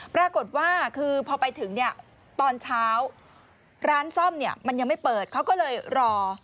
ปรากฏว่าคือพอไปถึงเนี่ยตอนเช้าร้านซ่อมเนี่ยมันยังไม่เปิดเขาก็เลยรอ